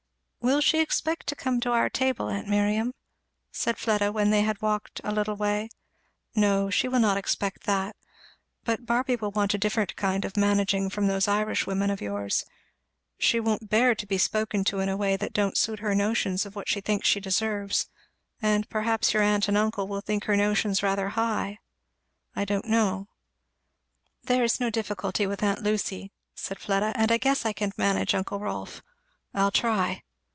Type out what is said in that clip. "Will she expect to come to our table, aunt Miriam?" said Fleda when they had walked a little way. "No she will not expect that but Barby will want a different kind of managing from those Irish women of yours. She won't bear to be spoken to in a way that don't suit her notions of what she thinks she deserves; and perhaps your aunt and uncle will think her notions rather high I don't know." "There is no difficulty with aunt Lucy," said Fleda; "and I guess I can manage uncle Rolf I'll try.